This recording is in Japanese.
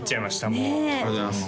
もうありがとうございます